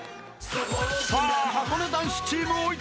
［さあはこね男子チーム追いつけるか！？］